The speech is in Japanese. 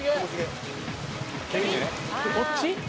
「こっち？